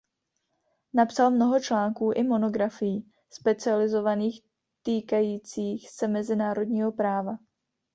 Napsal mnoho článků i monografií specializovaných týkajících se mezinárodního práva.